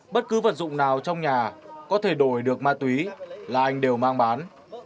bất cứ vật dụng nào trong nhà có thể đổi được ma túy là anh đều mang bán